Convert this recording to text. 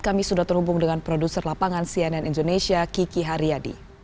kami sudah terhubung dengan produser lapangan cnn indonesia kiki haryadi